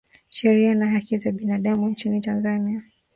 sheria na haki za binadamu nchini tanzania